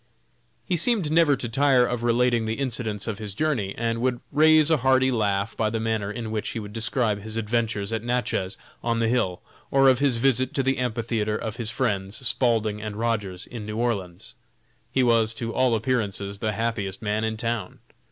He seemed never to tire of relating the incidents of his journey, and would raise a hearty laugh by the manner in which he would describe his adventures at Natchez, on the hill, or of his visit to the amphitheatre of his friends, Spaulding & Rogers, in New Orleans. He was, to all appearances, the happiest man in town.